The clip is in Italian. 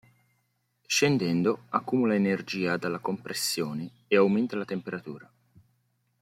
Scendendo accumula energia dalla compressione e aumenta la temperatura.